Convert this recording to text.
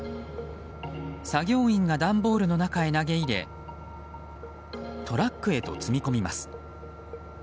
作業員が段ボールの中に投げ入れトラックへと積み込みます。